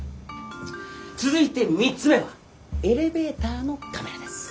続いて３つ目はエレベーターのカメラです。